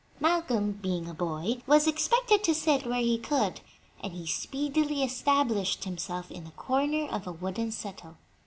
Malcolm, being a boy, was expected to sit where he could, and he speedily established himself in the corner of a wooden settle.